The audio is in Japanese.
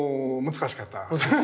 難しかった。